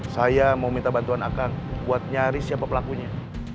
saya mau minta bantuan akang buat nyari siapa pelakunya